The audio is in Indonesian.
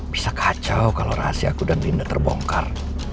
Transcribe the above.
bisa kacau kalau rahasia aku dan linda terbongkar